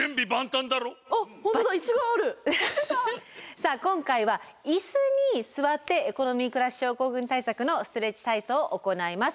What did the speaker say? さあ今回は椅子に座ってエコノミークラス症候群対策のストレッチ体操を行います。